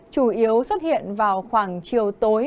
chủ yếu xuất hiện vào khoảng chiều tối